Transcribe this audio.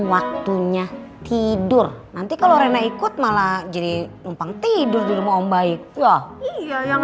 waktunya tidur nanti kalau rena ikut malah jadi numpang tidur di rumah om baik ya yang